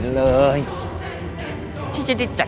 สนุนโดยโพธาไลน์เลเชอร์พ